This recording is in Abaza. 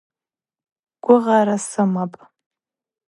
Гвыгъара сымапӏ.